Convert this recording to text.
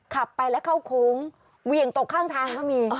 ขับไปแล้วเข้าโค้งเหวี่ยงตกข้างทางก็มี